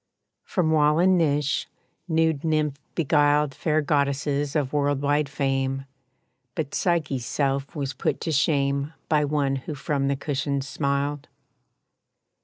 From wall and niche, nude nymph beguiled Fair goddesses of world wide fame, But Psyche's self was put to shame By one who from the cushions smiled.